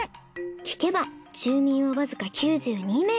聞けば住民はわずか９２名。